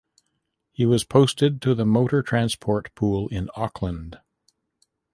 He was posted to the Motor Transport Pool in Auckland.